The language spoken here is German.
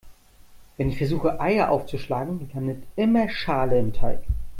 Wenn ich versuche Eier aufzuschlagen, landet immer Schale im Teig.